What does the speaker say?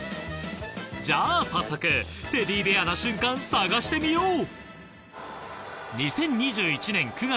じゃあ早速テディベアな瞬間探してみよう！